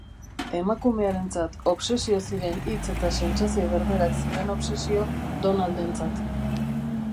Emakumearentzat obsesio ziren hitz eta sentsazio berberak ziren obsesio Donaldentzat.